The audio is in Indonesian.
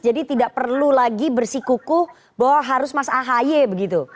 jadi tidak perlu lagi bersikuku bahwa harus mas ahy begitu